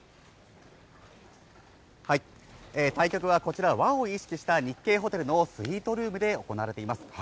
対局はこちら、和を意識した日系ホテルのスイートルームで行われています。